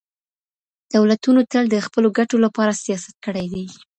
دولتونو تل د خپلو ګټو لپاره سياست کړی دی.